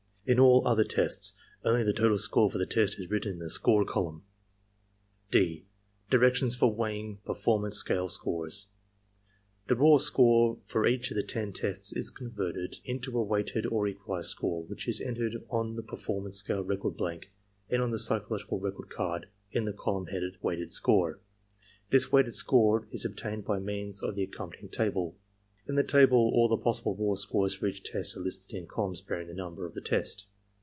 In all other tests only the total score for the test is written in the "score" colunm. (d) DIRECTIONS FOR WEIGHTING PERFORMANCE SCALE SCORES The raw score for each of the 10 tests is converted into a weighted or equalized score, which is entered on the perform EXAMINER'S GUffiE 125 ance scale record blank and on the psychological record card in the column headed: "Wtd. score." This weighted score is obtained by means of the accompanying table. In the table all the possible raw scores for each test are Usted in columns bearing the number of the test.